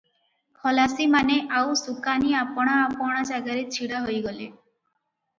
ଖଲାସିମାନେ ଆଉ ସୁକାନି ଆପଣା ଆପଣା ଜାଗାରେ ଛିଡ଼ା ହୋଇଗଲେ ।